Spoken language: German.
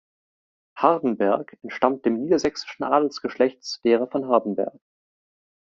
Hardenberg entstammte dem niedersächsischen Adelsgeschlecht derer von Hardenberg.